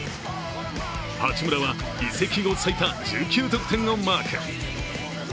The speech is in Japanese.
八村は移籍後最多１９得点をマーク。